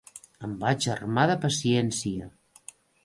Em vaig armar de paciència.